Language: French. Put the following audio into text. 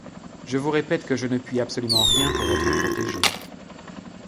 Je vous répète que je ne puis absolument rien pour votre protégé.